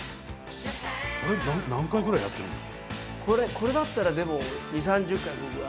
これだったらでも２０３０回僕は。